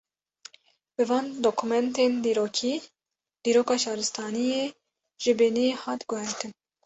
Bi van dokumentên dîrokî, dîroka şaristaniyê ji binî hat guhartin